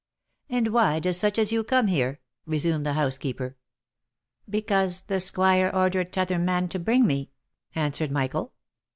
" And why does such as you come here?" resumed the house keeper. " Because the squire ordered t'other man to bring me," answered Michael.